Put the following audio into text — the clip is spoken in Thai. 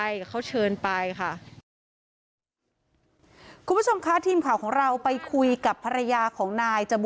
ก็คือหนึ่งในคนที่ไปพบน้องจีนนะค่ะ